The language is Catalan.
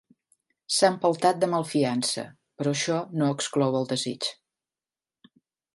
S'ha empeltat de malfiança, però això no exclou el desig.